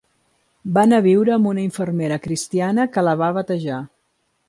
Va anar a viure amb una infermera cristiana que la va batejar.